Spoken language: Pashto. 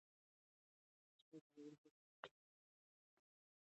پاسپورت په جګري بکس کې پروت دی.